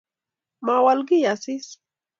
Mowol kiy Asisi